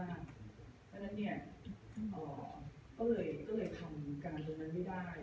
เพราะฉะนั้นเนี่ยอ่าก็เลยก็เลยทำการตรงนั้นไม่ได้